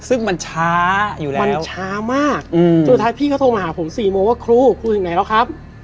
ซึ่งมันช้าอยู่แล้วมันช้ามากสุดท้ายพี่เขาโทรมาหาผม๔โมงว่าครูครูถึงไหนแล้วครับ